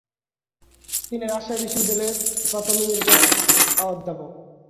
তিনি রাজশাহী বিশ্ববিদ্যালয়ের প্রথম ইমেরিটাস অধ্যাপক।